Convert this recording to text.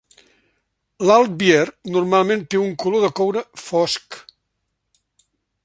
L'altbier normalment té un color de coure fosc.